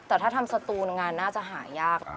แต่ถ้าทำสตูนงานน่าจะหายาก